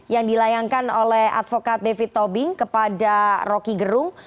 yang dilayangkan oleh advokat david tobing kepada rocky gerung